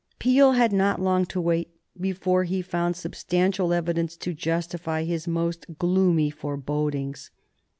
Peel had not long to wait before he found substantial evidence to justify his most gloomy forebodings.